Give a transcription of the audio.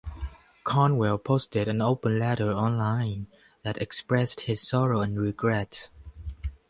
Conwell posted an open letter online that expressed his sorrow and regret.